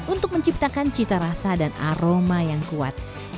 untuk menciptakan cita rasa dan aroma yang kuat